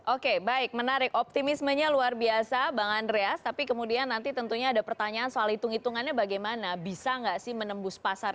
oke baik menarik optimismenya luar biasa bang andreas tapi kemudian nanti tentunya ada pertanyaan soal hitung hitungannya bagaimana bisa nggak sih menembus pasar